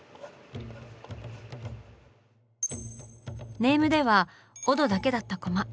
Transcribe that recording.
ネームではオドだけだったコマ。